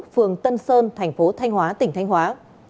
phường tân sơn thành phố thanh hóa tỉnh thanh hóa